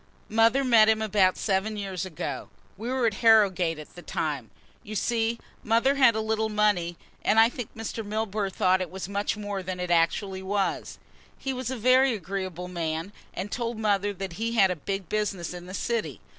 "Mother met him about seven years ago. We were at Harrogate at the time. You see, mother had a little money, and I think Mr. Milburgh thought it was much more than it actually was. He was a very agreeable man and told mother that he had a big business in the city.